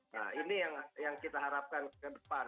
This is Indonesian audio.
nah ini yang kita harapkan ke depan